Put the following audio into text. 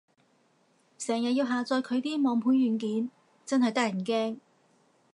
成日要下載佢啲網盤軟件，真係得人驚